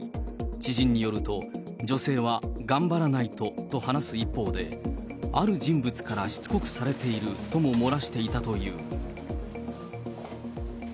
知人によると、女性は頑張らないとと話す一方で、ある人物からしつこくされているとも漏らしていたという。